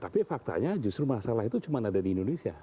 tapi faktanya justru masalah itu cuma ada di indonesia